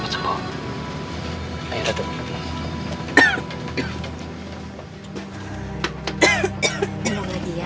sayang saya pergi dulu ya